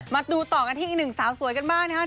มาดูต่อกันที่อีกหนึ่งสาวสวยกันบ้างนะครับ